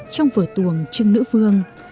trong vở tuồng trưng nữ vương